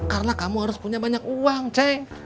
karena kamu harus punya banyak uang ceng